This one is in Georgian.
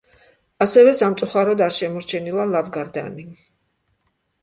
ასევე სამწუხაროდ არ შემორჩენილა ლავგარდანი.